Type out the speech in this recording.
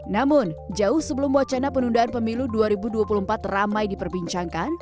namun jauh sebelum wacana penundaan pemilu dua ribu dua puluh empat ramai diperbincangkan